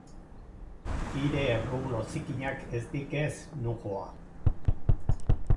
Hire errublo ziztrinak ez dik, ez, non joa...